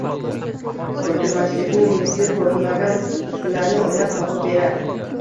Ko‘chirmachilikning misli ko‘rilmagan usullarini o‘ylab topib berar